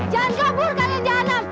jangan kabur kalian jalanan